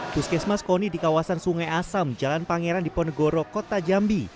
puskesmas koni di kawasan sungai asam jalan pangeran diponegoro kota jambi